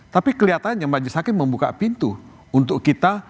tapi kelihatannya majelis hakim membuka pintu untuk kita